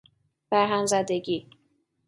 بر هم زدگی